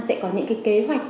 sẽ có những cái kế hoạch